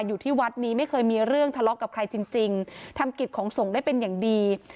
อยู่ที่วัดนี้ไม่เคยมีเรื่องทะเลาะกับใครจริงจริงทำกิจของส่งได้เป็นอย่างดี